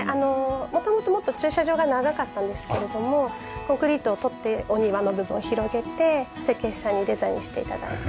元々もっと駐車場が長かったんですけれどもコンクリートを取ってお庭の部分を広げて設計士さんにデザインして頂いた。